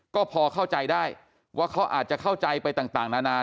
ก็พอเข้าใจได้ว่าเขาอาจจะเข้าใจไปต่างนานา